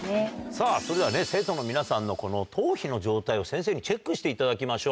さぁそれではね生徒の皆さんのこの頭皮の状態を先生にチェックしていただきましょう。